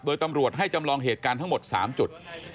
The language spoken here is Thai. โดยตำรวจให้จำลองเหตุการณ์ทั้งหมด๓จุด